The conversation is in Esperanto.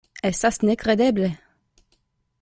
Estas nekredeble.